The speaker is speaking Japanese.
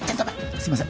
すいません